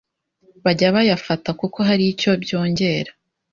bajya bayafata kuko hari icyo byongera.